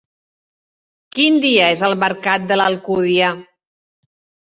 Quin dia és el mercat de l'Alcúdia?